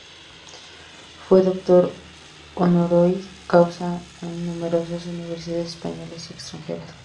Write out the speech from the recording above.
Fue doctor honoris causa en numerosas universidades españolas y extranjeras.